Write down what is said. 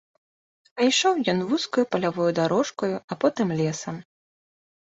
А ішоў ён вузкаю палявою дарожкаю, а потым лесам.